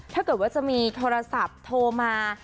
ถ้าเกิดว่าจะมีโทรศัพท์โทรมา